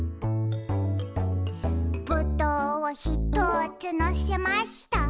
「ぶどうをひとつのせました」